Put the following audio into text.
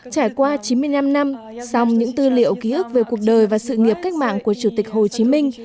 trải qua chín mươi năm năm song những tư liệu ký ức về cuộc đời và sự nghiệp cách mạng của chủ tịch hồ chí minh